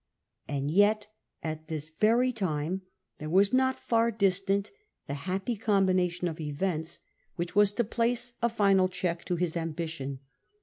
And yet at this very time there was not far distant that happy combination of events which was to place a final check to his ambition.